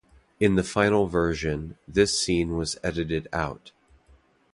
In the final version, this scene was edited out.